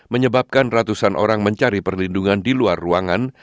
menyebabkan ratusan orang mencari perlindungan di luar ruangan